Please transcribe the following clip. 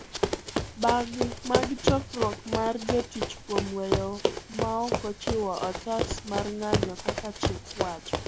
mag chokruok mar jotich kuom weyo maokochiwo otas marng'anyo kaka chik wacho